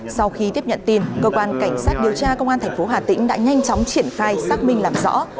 sau khi tiếp nhận tin cơ quan cảnh sát điều tra công an tp hà tĩnh đã nhanh chóng triển khai xác minh làm rõ